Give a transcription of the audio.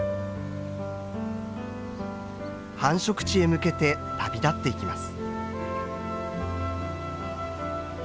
繁殖地へ向けて旅立っていきます。